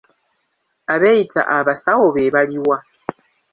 Abeeyita abasawo be baliwa?